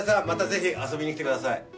またぜひ遊びにきてください